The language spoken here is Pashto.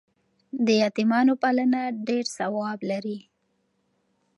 د یتیمانو پالنه ډېر ثواب لري.